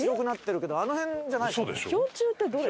氷柱ってどれ？